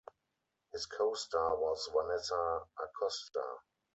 His co star was Vanessa Acosta.